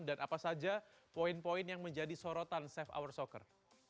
dan apa saja poin poin yang menjadi sorotan safe our soccer